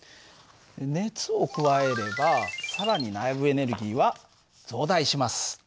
熱を加えれば更に内部エネルギーは増大します。